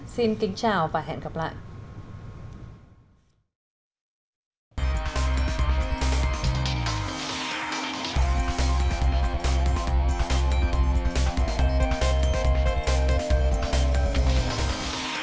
xin kính chào và hẹn gặp lại